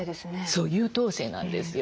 そう優等生なんですよ。